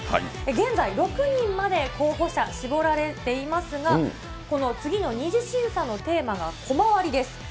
現在、６人まで候補者、絞られていますが、この次の２次審査のテーマがコマ割りです。